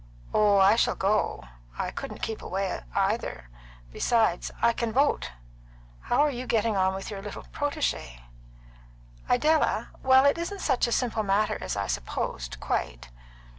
"Oh, I shall go; I couldn't keep away either. Besides, I can vote. How are you getting on with your little protégée? "Idella? Well, it isn't such a simple matter as I supposed, quite.